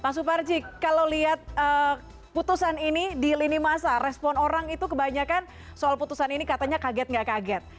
pak suparji kalau lihat putusan ini di lini masa respon orang itu kebanyakan soal putusan ini katanya kaget gak kaget